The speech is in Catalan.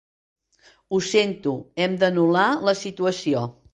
Ho sento, hem d'anul·lar la situació.